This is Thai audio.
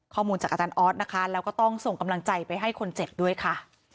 ข้อมูลจากอาจารย์ออสนะคะแล้วก็ต้องส่งกำลังใจไปให้คนเจ็บด้วยค่ะ